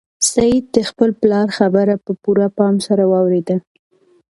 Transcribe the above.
سعید د خپل پلار خبره په پوره پام سره واورېده.